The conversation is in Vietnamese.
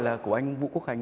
là của anh vũ quốc khánh